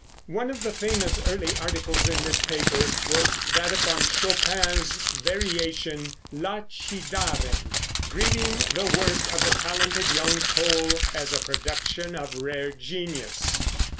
One of the famous early articles in this paper was that upon Chopin's variation "La ci Darem," greeting the work of the talented young Pole as a production of rare genius.